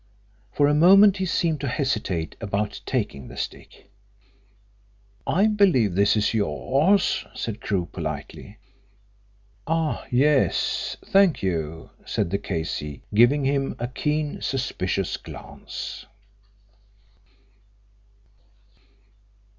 For a moment he seemed to hesitate about taking the stick. "I believe this is yours," said Crewe politely. "Ah yes. Thank you," said the K.C., giving him a keen suspicious glance.